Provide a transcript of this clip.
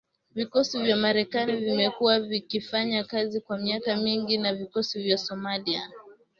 Vikosi vya Marekani vimekuwa vikifanya kazi kwa miaka mingi na vikosi vya Somalia